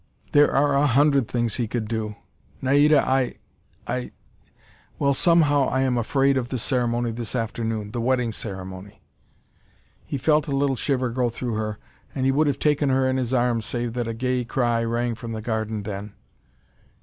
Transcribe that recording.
"There are a hundred things he could do. Naida, I I Well, somehow I am afraid of the ceremony this afternoon the wedding ceremony!" He felt a little shiver go through her, and would have taken her in his arms, save that a gay cry rang in the garden then.